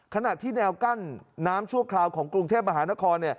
ขณะที่แนวกั้นน้ำชั่วคราวของกรุงเทพมหานคร